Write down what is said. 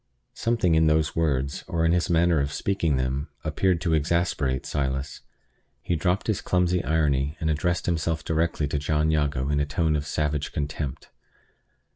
Something in those words, or in his manner of speaking them, appeared to exasperate Silas. He dropped his clumsy irony, and addressed himself directly to John Jago in a tone of savage contempt.